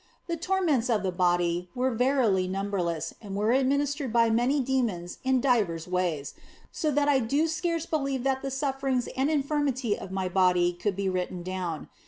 The torments of the body were verily number less and were administered by many demons in divers ways, so that I do scarce believe that the sufferings and infirmity of my body could be written down.